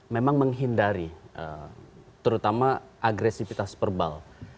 memang menghindari terutama agresivitas verbal